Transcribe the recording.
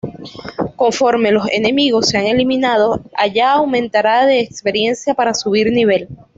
Conforme los enemigos sean eliminados, Aya aumentará de experiencia para subir nivel.